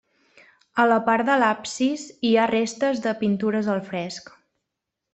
A la part de l'absis hi ha restes de pintures al fresc.